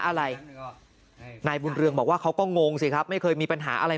อะไรนายบุญเรืองบอกว่าเขาก็งงสิครับไม่เคยมีปัญหาอะไร